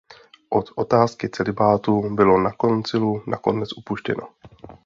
Od otázky celibátu bylo na koncilu nakonec upuštěno.